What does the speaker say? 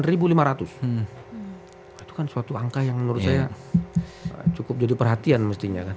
itu kan suatu angka yang menurut saya cukup jadi perhatian mestinya kan